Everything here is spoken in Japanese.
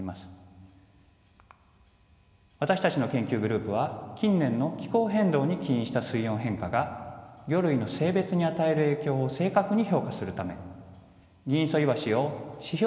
私たちの研究グループは近年の気候変動に起因した水温変化が魚類の性別に与える影響を正確に評価するためギンイソイワシを指標